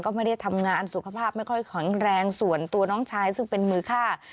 ก็ไม่ได้ทำงานสุขภาพไม่ค่อยแข็งแรงส่วนตัวน้องชายซึ่งเป็นมือฆ่า